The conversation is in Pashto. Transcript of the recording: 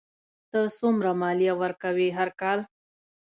ته څومره مالیه ورکوې هر کال؟